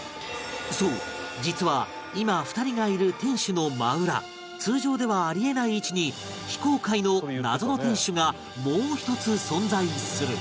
そう実は今２人がいる天守の真裏通常ではあり得ない位置に非公開の謎の天守がもう一つ存在する